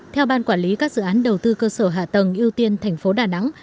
theo ban quản lý các dự án đầu tư cơ sở hạ tầng ưu tiên thành phố đà nẵng